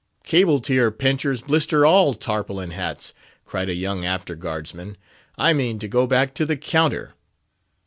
"Cable tier pinchers blister all tarpaulin hats!" cried a young after guard's man; "I mean to go back to the counter."